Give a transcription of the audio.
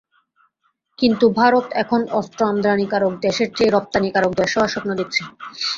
কিন্তু ভারত এখন অস্ত্র আমদানিকারক দেশের চেয়ে রপ্তানিকারক দেশ হওয়ার স্বপ্ন দেখছে।